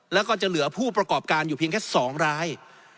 แล้วก็จะเหลือผู้ประกอบการอยู่เพียงแค่๒ราย